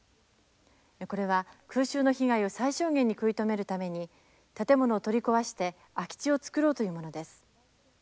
これは空襲の被害を最小限に食い止めるために建物を取り壊して空き地を作ろうというものです。